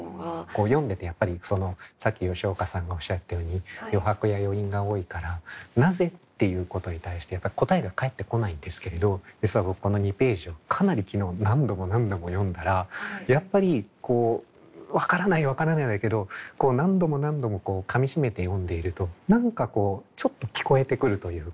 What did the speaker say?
こう読んでてやっぱりさっき吉岡さんがおっしゃったように余白や余韻が多いからなぜっていうことに対して答えが返ってこないんですけれど実は僕この２ページをかなり昨日何度も何度も読んだらやっぱりこう「分からない分からない」だけど何度も何度もかみしめて読んでいると何かこうちょっと聞こえてくるというか「あれ？